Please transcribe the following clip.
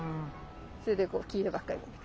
それでこう黄色ばっかり回ってく。